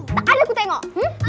tak ada aku tengok